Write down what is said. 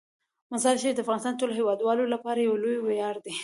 مزارشریف د افغانستان د ټولو هیوادوالو لپاره یو لوی ویاړ دی.